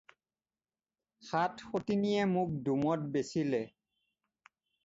সাত সতিনীয়ে মোক ডোমত বেচিলে।